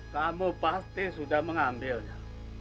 kamu pasti sudah mengambilnya